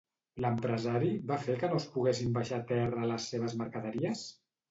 L'empresari va fer que no es poguessin baixar a terra les seves mercaderies?